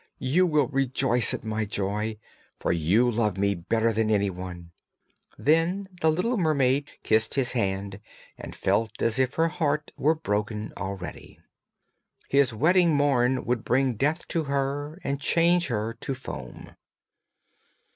You will rejoice at my joy, for you love me better than any one.' Then the little mermaid kissed his hand, and felt as if her heart were broken already. His wedding morn would bring death to her and change her to foam.